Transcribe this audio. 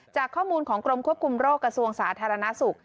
จากข้อมูลของกรมควบคุมโรคกระทรวงสาธารณสุข